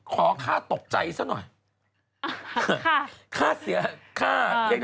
ขอค่าตกใจซะหน่อย